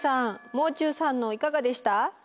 もう中さんのいかがでした？